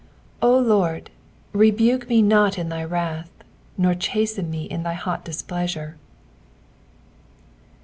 LORD, rebuke me not in thy wrath : neither chasten me in thy hot displeasure.